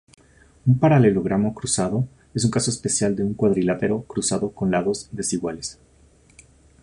Un "paralelogramo cruzado" es un caso especial de un cuadrilátero cruzado con lados desiguales.